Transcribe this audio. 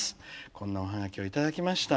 こんなおハガキを頂きました。